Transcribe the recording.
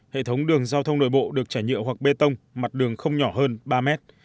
hệ thống đường giao thông nội bộ được trải nhựa hoặc bê tông mặt đường không nhỏ hơn ba mét